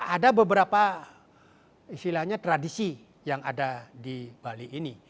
ada beberapa istilahnya tradisi yang ada di bali ini